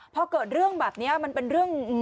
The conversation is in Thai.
พอเกิดเรื่องแบบนี้มันเป็นเรื่อง